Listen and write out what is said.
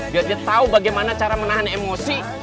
biar dia tahu bagaimana cara menahan emosi